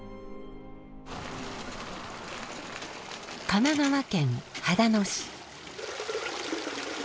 神奈川県秦野市。